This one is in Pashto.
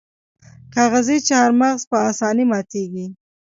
کاغذي چهارمغز په اسانۍ ماتیږي.